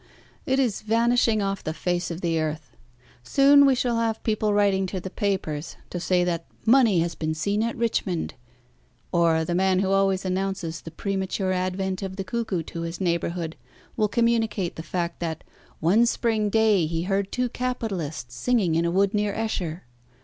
It is vanishing off the face of the earth. Soon we shall have people writing to the papers to say that money has been seen at Richmond, or the man who always announces the premature advent of the cuckoo to his neighbourhood will communicate the fact that one Spring day he heard two capitalists singing in a wood near Esher.